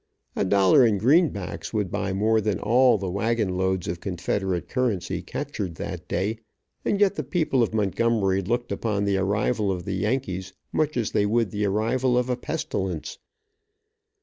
A dollar in greenbacks would buy more than all of the wagon loads of confederate currency captured that day. And yet the people of Montgomery looked upon the arrival of the Yankees much as they would the arrival of a pestilence.